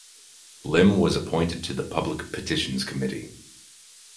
Lim was appointed to the Public Petitions Committee.